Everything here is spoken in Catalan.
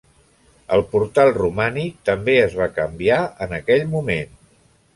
El portal romànic també es va canviar en aquell moment.